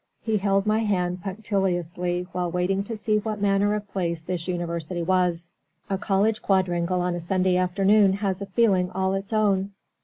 He held my hand punctiliously while waiting to see what manner of place this University was. A college quadrangle on a Sunday afternoon has a feeling all its own.